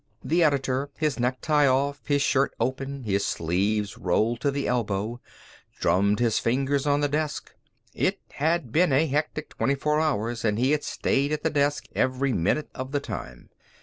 The editor, his necktie off, his shirt open, his sleeves rolled to the elbow, drummed his fingers on the desk. It had been a hectic twenty four hours and he had stayed at the desk every minute of the time.